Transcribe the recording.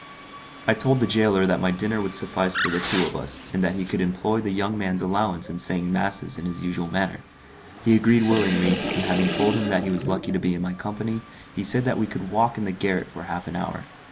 I told the gaoler that my dinner would suffice for the two of us, and that he could employ the young man's allowance in saying masses in his usual manner. He agreed willingly, and having told him that he was lucky to be in my company, he said that we could walk in the garret for half an hour.